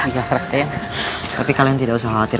hai hai tapi kalian tidak usah khawatir